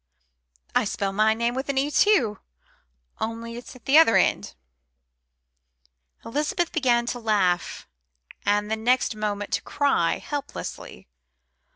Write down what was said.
I spell my name with an E too, only it's at the wrong end." Elizabeth began to laugh, and the next moment to cry helplessly.